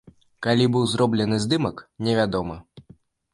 Калі быў зроблены здымак, невядома.